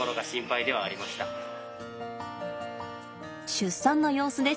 出産の様子です。